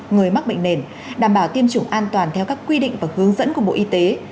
người mắc bệnh nền đảm bảo tiêm chủng an toàn theo các quy định và hướng dẫn của bộ y tế